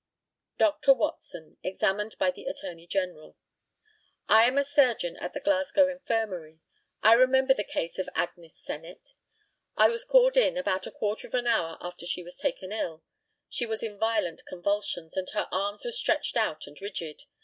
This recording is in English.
Dr. WATSON, examined by the ATTORNEY GENERAL: I am a surgeon at the Glasgow Infirmary. I remember the case of Agnes Sennett. I was called in about a quarter of an hour after she was taken ill. She was in violent convulsions, and her arms were stretched out and rigid.